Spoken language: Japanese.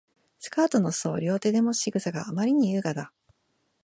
スカートの裾を両手でもつ仕草があまりに優雅だ